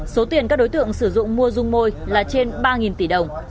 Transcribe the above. số tiền các đối tượng sử dụng mua dung môi là trên ba tỷ đồng